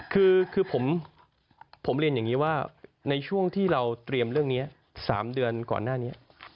คือผมเรียนอย่างนี้ว่าในช่วงที่เราเตรียมเรื่องนี้๓เดือนก่อนหน้านี้